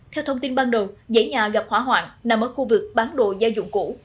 theo thông tin ban đầu dãy nhà gặp hỏa hoạn nằm ở khu vực bán đồ gia dụng cũ